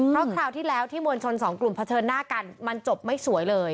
เพราะคราวที่แล้วที่มวลชนสองกลุ่มเผชิญหน้ากันมันจบไม่สวยเลย